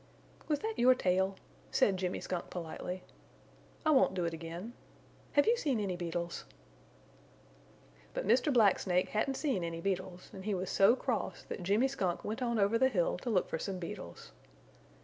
"Was that your tail?" said Jimmy Skunk, politely. "I won't do it again. Have you seen any beetles?" But Mr. Black Snake hadn't seen any beetles, and he was so cross that Jimmy Skunk went on over the hill to look for some beetles.